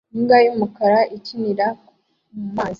Imbwa y'umukara ikinira mu mazi